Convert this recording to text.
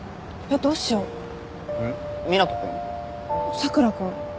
佐倉君。